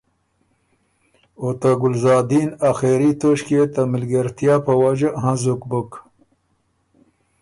او ته ګلزادین آخېري توݭکيې ته مِلګېرتیا په وجه هنزُک بُک،